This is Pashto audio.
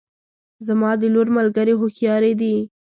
زما د لور ملګرې هوښیارې دي